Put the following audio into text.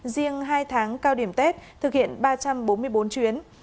riêng hai tháng cao điểm tết thực hiện ba trăm bốn mươi bốn chuyến